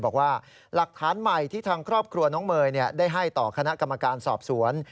บอกว่าหลักฐานใหม่ที่ทางครอบครัวน้องเมย์ได้ให้ต่อคณะกรรมการสอบสวน